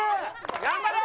頑張れー！